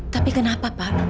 tapi kenapa pak